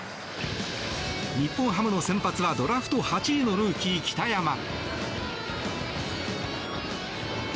日本ハムの先発はドラフト８位のルーキー、北山。